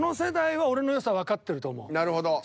なるほど。